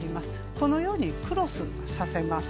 このようにクロスさせます。